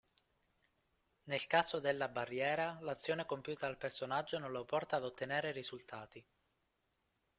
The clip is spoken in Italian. Nel caso della barriera, l'azione compiuta dal personaggio non lo porta ad ottenere risultati.